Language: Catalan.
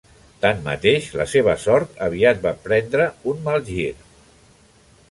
Tanmateix la seva sort aviat van prendre un mal gir.